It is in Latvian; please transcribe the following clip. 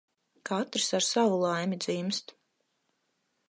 Katrs ar savu laimi dzimst.